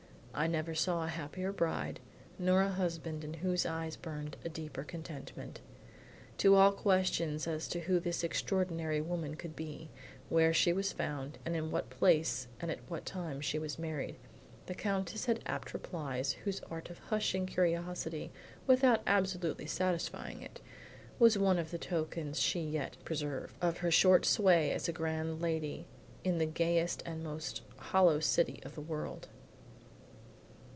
I never saw a happier bride, nor a husband in whose eyes burned a deeper contentment. To all questions as to who this extraordinary woman could be, where she was found, and in what place and at what time she was married, the Countess had apt replies whose art of hushing curiosity without absolutely satisfying it, was one of the tokens she yet preserved, of her short sway as grand lady, in the gayest and most hollow city of the world.